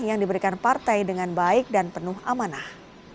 yang diberikan partai dengan baik dan penuh amanah